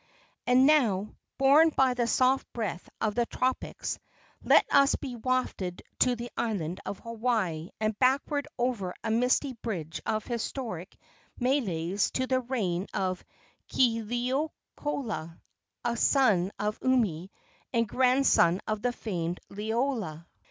And now, borne by the soft breath of the tropics, let us be wafted to the island of Hawaii, and backward over a misty bridge of historic meles to the reign of Kealiiokoloa, a son of Umi and grandson of the famed Liloa.